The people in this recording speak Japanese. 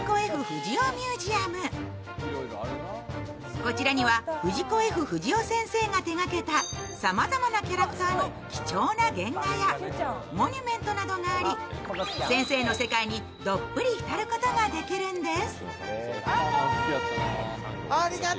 こちらには藤子・Ｆ・不二雄先生が手がけたさまざまなキャラクターの貴重な原画やモニュメントなどがあり先生の世界にどっぷり浸ることができるんです。